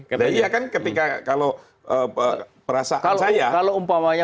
karena iya kan ketika kalau perasaan saya